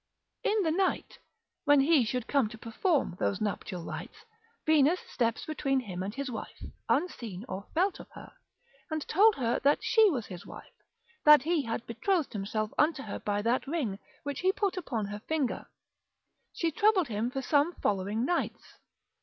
In the night, when he should come to perform those nuptial rites, Venus steps between him and his wife (unseen or felt of her), and told her that she was his wife, that he had betrothed himself unto her by that ring, which he put upon her finger: she troubled him for some following nights.